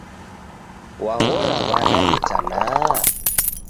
W'aghora w'ada itanaha?